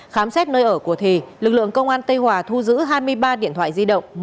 khám xét nơi ở của thì lực lượng công an tây hòa thu giữ hai mươi ba điện thoại di động